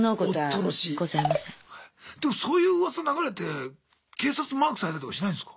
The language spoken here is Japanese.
でもそういううわさ流れて警察にマークされたりとかしないんすか？